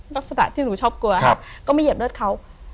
ลักษณะที่หนูชอบกลัวครับก็ไม่เหยียบเลือดเขา